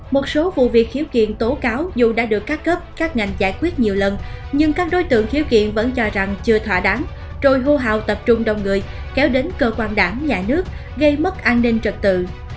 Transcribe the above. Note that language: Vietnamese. một số vụ việc khiếu kiện tố cáo dù đã được các cấp các ngành giải quyết nhiều lần nhưng các đối tượng khiếu kiện vẫn cho rằng chưa thỏa đáng rồi hô hào tập trung đông người kéo đến cơ quan đảng nhà nước gây mất an ninh trật tự